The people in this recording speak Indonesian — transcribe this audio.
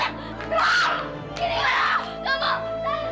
saya piring ketemu sama rani